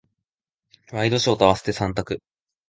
ワイドショーと合わせて三択。